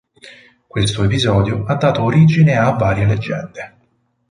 Questo episodio ha dato origine a varie leggende.